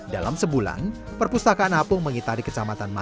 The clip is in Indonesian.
dalam sebulan perpustakaan apung mengitari kecamatan bintan timur